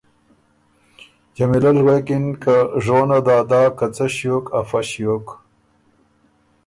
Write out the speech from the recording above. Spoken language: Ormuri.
جمیلۀ ل غوېکِن که ”ژونه دادا که څۀ ݭیوک افۀ ݭیوک